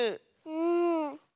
うん。